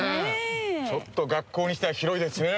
ちょっと学校にしては広いですね。